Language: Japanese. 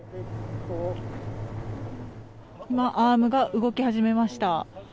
今、アームが動き始めました。